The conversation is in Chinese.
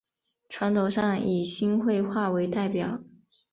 传统上以新会话为代表。